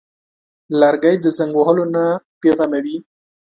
لرګی د زنګ وهلو نه بېغمه وي.